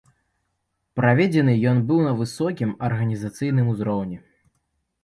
Праведзены ён быў на высокім арганізацыйным узроўні.